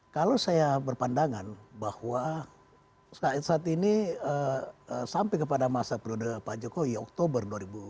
kalau saya berpandangan bahwa saat ini sampai kepada masa periode pak jokowi oktober dua ribu dua puluh